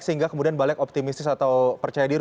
sehingga kemudian balik optimistis atau percaya diri